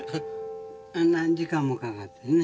何時間もかかってね。